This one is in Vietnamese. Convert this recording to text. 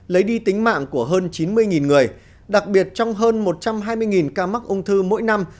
lấy đi tính mạng của hơn chín mươi người đặc biệt trong hơn một trăm hai mươi ca mắc ung thư mỗi năm